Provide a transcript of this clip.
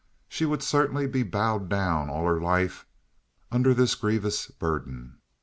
She would certainly be bowed down all her life under this grievous burden.